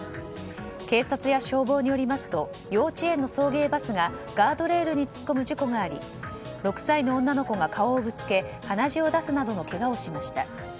警察や消防によりますと幼稚園の送迎バスがガードレールに突っ込む事故があり６歳の女の子が顔をぶつけ、鼻血を出すなどのけがをしました。